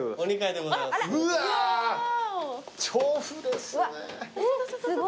うわ調布ですね。